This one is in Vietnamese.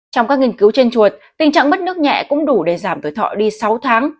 trong các nghiên cứu trên chuột tình trạng mất nước nhẹ cũng đủ để giảm tuổi thọ đi sáu tháng